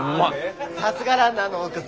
さすがランナーの奥さん！